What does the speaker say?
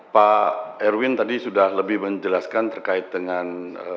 pak erwin tadi sudah lebih menjelaskan terkait dengan